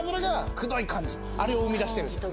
あれを生み出してるんです。